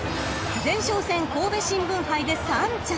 ［前哨戦神戸新聞杯で３着］